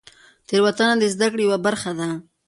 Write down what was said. تېروتنه د زدهکړې یوه برخه ده.